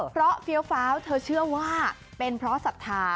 เพราะเฟี้ยวฟ้าวเธอเชื่อว่าเป็นเพราะศรัทธา